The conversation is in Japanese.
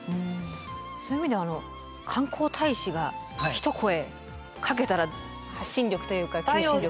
そういう意味ではあの観光大使が一声かけたら発信力というか求心力。